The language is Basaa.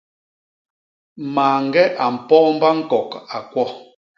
Mañge a mpoomba ñkok, a kwo!